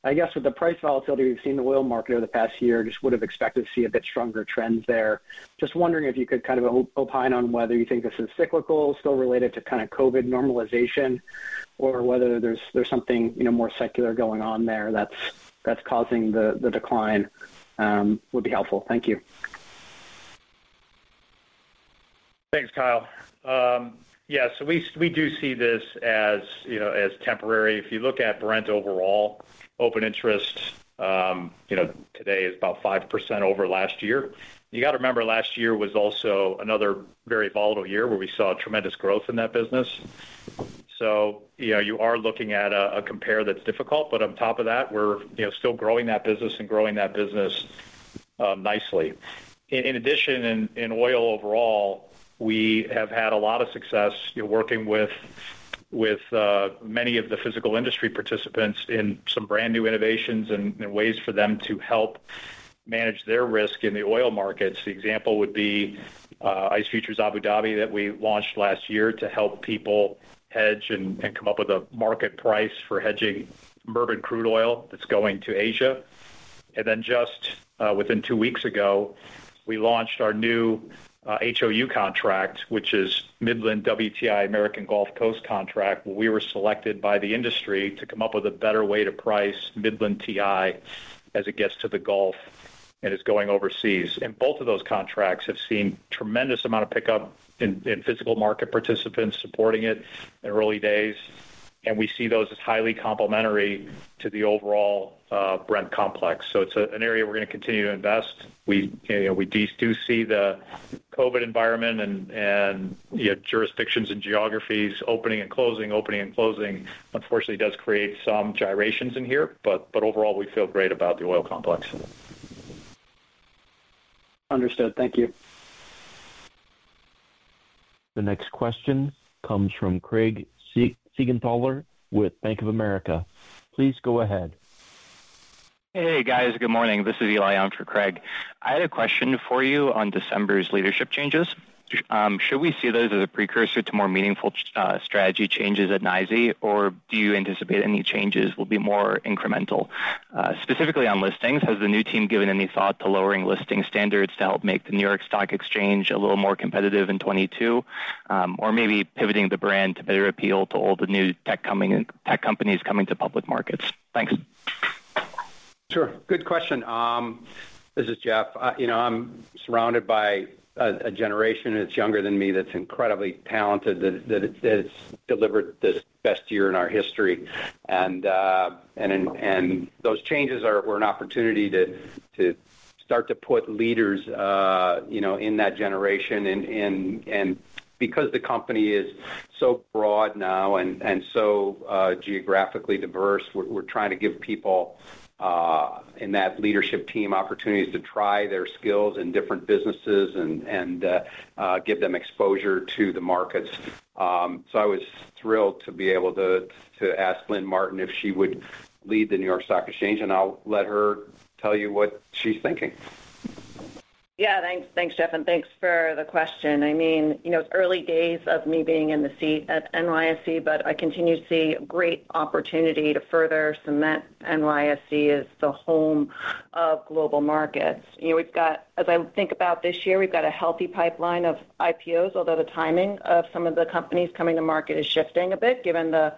O: I guess with the price volatility we've seen in the oil market over the past year, just would have expected to see a bit stronger trends there. Just wondering if you could kind of opine on whether you think this is cyclical, still related to kind of COVID normalization or whether there's something, you know, more secular going on there that's causing the decline, would be helpful. Thank you.
D: Thanks, Kyle. We do see this as, you know, as temporary. If you look at Brent overall open interest, you know, today is about 5% over last year. You got to remember, last year was also another very volatile year where we saw tremendous growth in that business. Yeah, you are looking at a compare that's difficult, but on top of that, we're, you know, still growing that business nicely. In addition, in oil overall, we have had a lot of success working with many of the physical industry participants in some brand-new innovations and ways for them to help manage their risk in the oil markets. The example would be ICE Futures Abu Dhabi that we launched last year to help people hedge and come up with a market price for hedging Murban crude oil that's going to Asia. Just within two weeks ago, we launched our new HOU contract, which is Midland WTI American Gulf Coast contract, where we were selected by the industry to come up with a better way to price Midland WTI as it gets to the Gulf and is going overseas. Both of those contracts have seen tremendous amount of pickup in physical market participants supporting it in early days. We see those as highly complementary to the overall Brent complex. It's an area we're going to continue to invest. We, you know, we do see the COVID environment and you know, jurisdictions and geographies opening and closing, opening and closing, unfortunately, does create some gyrations in here. But overall, we feel great about the oil complex.
O: Understood. Thank you.
A: The next question comes from Craig Siegenthaler with Bank of America. Please go ahead.
P: Hey, guys. Good morning. This is Eli on for Craig. I had a question for you on December's leadership changes. Should we see those as a precursor to more meaningful strategy changes at NYSE, or do you anticipate any changes will be more incremental? Specifically on listings, has the new team given any thought to lowering listing standards to help make the New York Stock Exchange a little more competitive in 2022, or maybe pivoting the brand to better appeal to all the new tech companies coming to public markets? Thanks.
E: Sure. Good question. This is Jeff. You know, I'm surrounded by a generation that's younger than me that's incredibly talented, that's delivered this best year in our history. Those changes were an opportunity to start to put leaders, you know, in that generation. Because the company is so broad now and so geographically diverse, we're trying to give people in that leadership team opportunities to try their skills in different businesses and give them exposure to the markets. I was thrilled to be able to ask Lynn Martin if she would lead the New York Stock Exchange, and I'll let her tell you what she's thinking.
F: Yeah. Thanks. Thanks, Jeff, and thanks for the question. I mean, you know, it's early days of me being in the seat at NYSE, but I continue to see great opportunity to further cement NYSE as the home of global markets. You know, as I think about this year, we've got a healthy pipeline of IPOs, although the timing of some of the companies coming to market is shifting a bit given the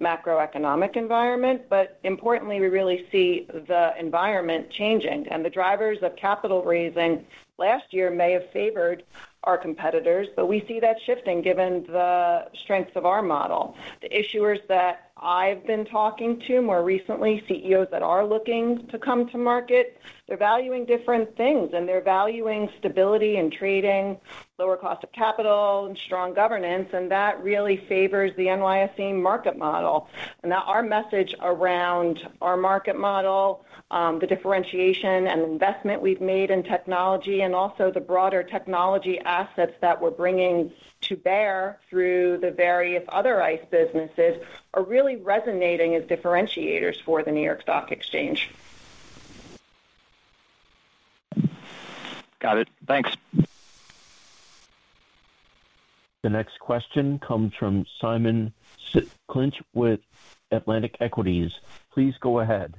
F: macroeconomic environment. Importantly, we really see the environment changing and the drivers of capital raising last year may have favored our competitors, but we see that shifting given the strength of our model. The issuers that I've been talking to more recently, CEOs that are looking to come to market, they're valuing different things, and they're valuing stability and trading, lower cost of capital and strong governance, and that really favors the NYSE market model. Now, our message around our market model, the differentiation and investment we've made in technology and also the broader technology assets that we're bringing to bear through the various other ICE businesses are really resonating as differentiators for the New York Stock Exchange.
P: Got it. Thanks.
A: The next question comes from Simon Clinch with Atlantic Equities. Please go ahead.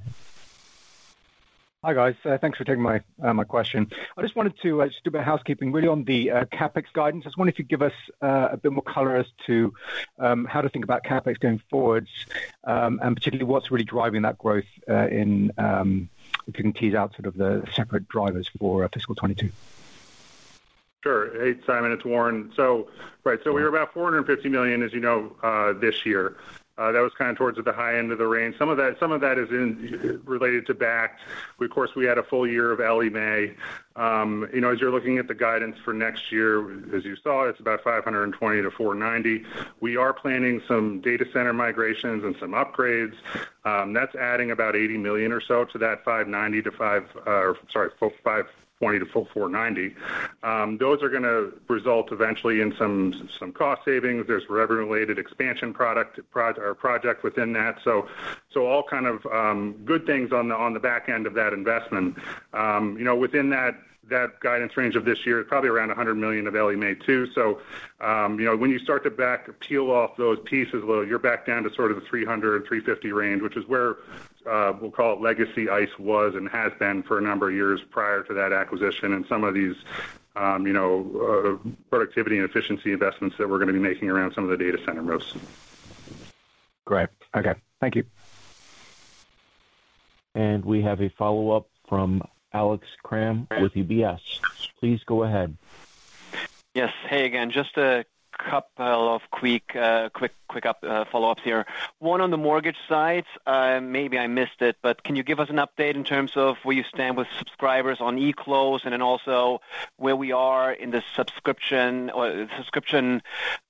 Q: Hi, guys. Thanks for taking my question. Just a bit of housekeeping really on the CapEx guidance. I just wonder if you could give us a bit more color as to how to think about CapEx going forward, and particularly what's really driving that growth if you can tease out sort of the separate drivers for fiscal 2022.
C: Sure. Hey, Simon, it's Warren. Right, we were about $450 million, as you know, this year. That was kind of towards the high end of the range. Some of that is related to Bakkt. We, of course, had a full year of Ellie Mae. You know, as you're looking at the guidance for next year, as you saw, it's about $490 million-$520 million. We are planning some data center migrations and some upgrades. That's adding about $80 million or so to that $490 million-$520 million. Those are gonna result eventually in some cost savings. There's revenue-related expansion project within that. All kind of good things on the back end of that investment. You know, within that guidance range of this year, probably around $100 million of Ellie Mae, too. You know, when you start to back peel off those pieces, well, you're back down to sort of the $300-$350 range, which is where we'll call it legacy ICE was and has been for a number of years prior to that acquisition and some of these, you know, productivity and efficiency investments that we're gonna be making around some of the data center moves.
Q: Great. Okay. Thank you.
A: We have a follow-up from Alex Kramm with UBS. Please go ahead.
I: Yes. Hey again. Just a couple of quick follow-ups here. One on the mortgage side, maybe I missed it, but can you give us an update in terms of where you stand with subscribers on eClose? And then also where we are in the subscription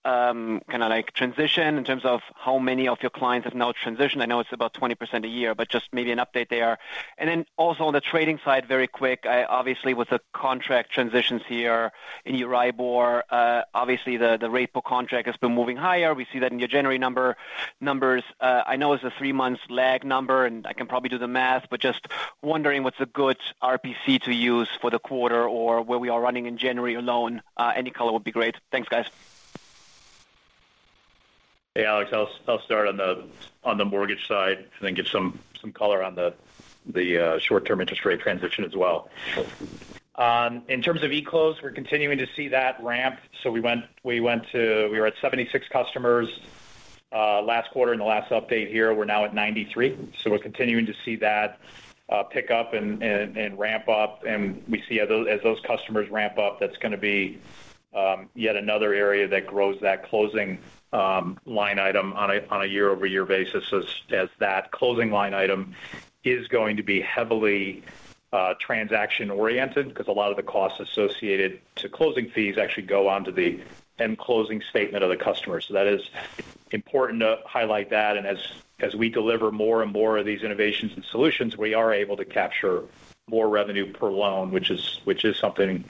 I: kinda like transition in terms of how many of your clients have now transitioned. I know it's about 20% a year, but just maybe an update there. And then also on the trading side, very quick, obviously with the contract transitions here in EURIBOR, obviously the rate per contract has been moving higher. We see that in your January numbers. I know it's a three-month lag number, and I can probably do the math, but just wondering what's a good RPC to use for the quarter or where we are running in January alone. Any color would be great. Thanks, guys.
D: Hey, Alex, I'll start on the mortgage side and then give some color on the short-term interest rate transition as well. In terms of eClose, we're continuing to see that ramp. We went to—we were at 76 customers last quarter in the last update here. We're now at 93. We're continuing to see that pick up and ramp up. We see as those customers ramp up, that's gonna be yet another area that grows that closing line item on a year-over-year basis as that closing line item is going to be heavily transaction-oriented 'cause a lot of the costs associated to closing fees actually go onto the end closing statement of the customer. That is important to highlight that. As we deliver more and more of these innovations and solutions, we are able to capture more revenue per loan, which is something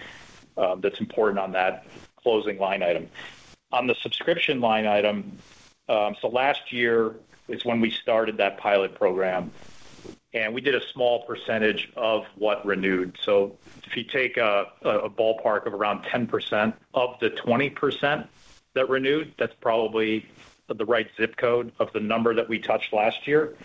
D: that's important on that closing line item. On the subscription line item, last year is when we started that pilot program, and we did a small percentage of what renewed. If you take a ballpark of around 10% of the 20% that renewed, that's probably the right zip code of the number that we touched last year.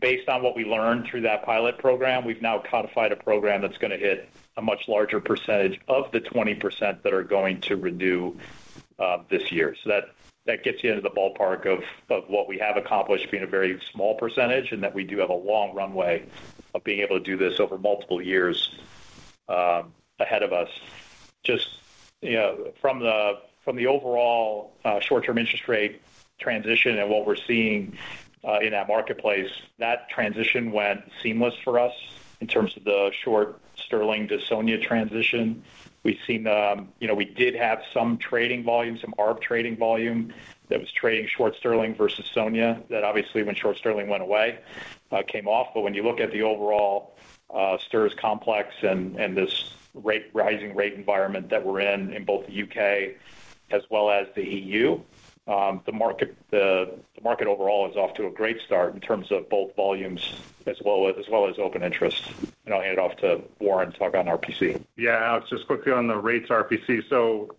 D: Based on what we learned through that pilot program, we've now codified a program that's gonna hit a much larger percentage of the 20% that are going to renew this year. That gets you into the ballpark of what we have accomplished being a very small percentage, and that we do have a long runway of being able to do this over multiple years ahead of us. From the overall short-term interest rate transition and what we're seeing in that marketplace, that transition went seamless for us in terms of the Short Sterling to SONIA transition. We've seen we did have some trading volume, some arb trading volume that was trading Short Sterling versus SONIA that obviously when Short Sterling went away came off. When you look at the overall STIRS complex and this rising rate environment that we're in both the U.K. as well as the EU, the market overall is off to a great start in terms of both volumes as well as open interest. I'll hand it off to Warren to talk about RPC.
C: Yeah. Alex, just quickly on the rates RPC.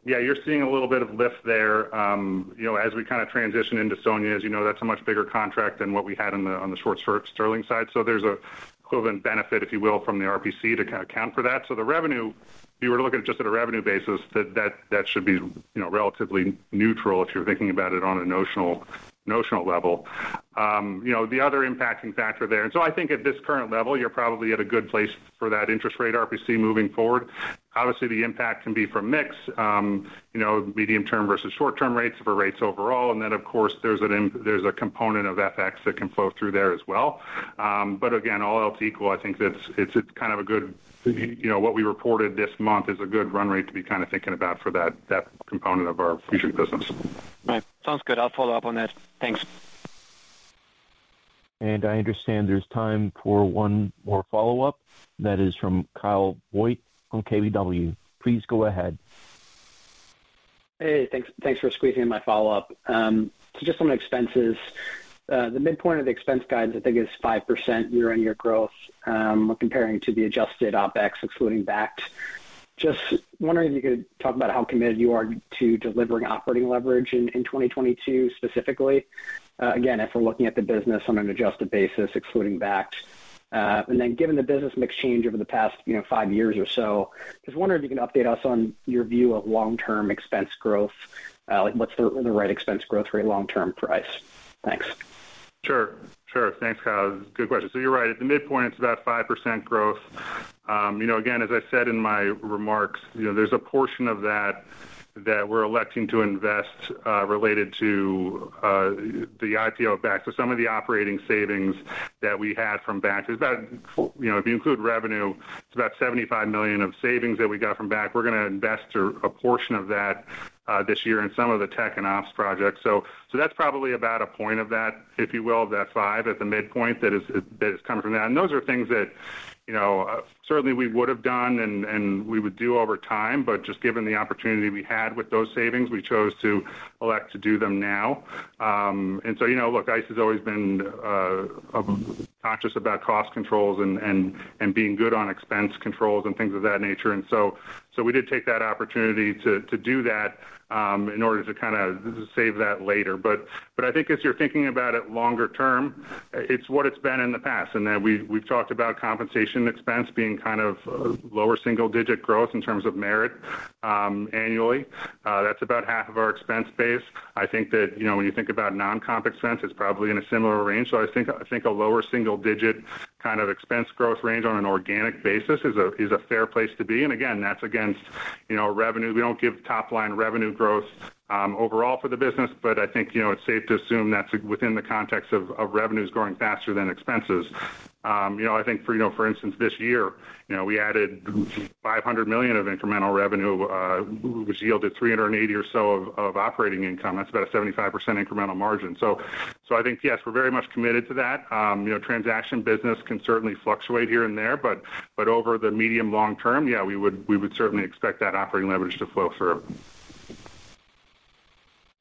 C: Yeah, you're seeing a little bit of lift there, you know, as we kind of transition into SONIA. As you know, that's a much bigger contract than what we had on the short sterling side. There's an equivalent benefit, if you will, from the RPC to kinda account for that. The revenue, if you were to look at it just at a revenue basis, that should be, you know, relatively neutral if you're thinking about it on a notional level. The other impacting factor there, I think at this current level, you're probably at a good place for that interest rate RPC moving forward. Obviously, the impact can be from mix, you know, medium-term versus short-term rates for rates overall. Of course, there's a component of FX that can flow through there as well. But again, all else equal, I think it's kind of a good, you know, what we reported this month is a good run rate to be kind of thinking about for that component of our future business.
I: Right. Sounds good. I'll follow up on that. Thanks.
A: I understand there's time for one more follow-up. That is from Kyle Voigt on KBW. Please go ahead.
O: Hey. Thanks for squeezing in my follow-up. Just on expenses. The midpoint of the expense guide I think is 5% year-on-year growth, comparing to the adjusted OpEx excluding Bakkt. Just wondering if you could talk about how committed you are to delivering operating leverage in 2022 specifically. Again, if we're looking at the business on an adjusted basis excluding Bakkt. Given the business mix change over the past, you know, 5 years or so, just wondering if you can update us on your view of long-term expense growth. Like what's the right expense growth rate long term for ICE? Thanks.
C: Sure. Thanks, Kyle. Good question. You're right. At the midpoint, it's about 5% growth. You know, again, as I said in my remarks, you know, there's a portion of that that we're electing to invest related to the IPO of Bakkt. Some of the operating savings that we had from Bakkt. It's about, you know, if you include revenue, it's about $75 million of savings that we got from Bakkt. We're gonna invest a portion of that this year in some of the tech and ops projects. That's probably about a point of that, if you will, of that 5% at the midpoint that is coming from that. Those are things that, you know, certainly we would have done and we would do over time. Just given the opportunity we had with those savings, we chose to elect to do them now. You know, look, ICE has always been conscious about cost controls and being good on expense controls and things of that nature. We did take that opportunity to do that in order to kinda save that later. I think as you're thinking about it longer term, it's what it's been in the past. We've talked about compensation expense being kind of lower single digit growth in terms of merit annually. That's about half of our expense base. I think that, you know, when you think about non-comp expense, it's probably in a similar range. I think a low single-digit kind of expense growth range on an organic basis is a fair place to be. Again, that's against, you know, revenue. We don't give top-line revenue growth overall for the business, but I think, you know, it's safe to assume that's within the context of revenues growing faster than expenses. You know, I think for, you know, for instance this year, you know, we added $500 million of incremental revenue, which yielded $380 or so of operating income. That's about a 75% incremental margin. I think, yes, we're very much committed to that. You know, transaction business can certainly fluctuate here and there, but over the medium- to long-term, yeah, we would certainly expect that operating leverage to flow through.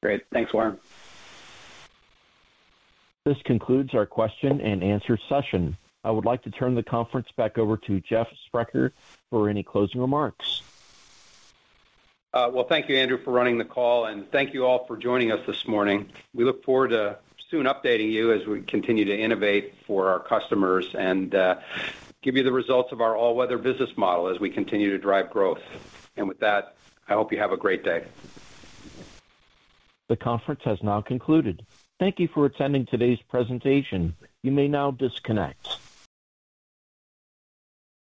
O: Great. Thanks, Warren.
A: This concludes our question and answer session. I would like to turn the conference back over to Jeff Sprecher for any closing remarks.
E: Well, thank you, Alex Blostein, for running the call, and thank you all for joining us this morning. We look forward to soon updating you as we continue to innovate for our customers and give you the results of our all-weather business model as we continue to drive growth. With that, I hope you have a great day.
A: The conference has now concluded. Thank you for attending today's presentation. You may now disconnect.